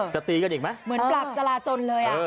ตีกันอีกไหมเหมือนปราบจราจนเลย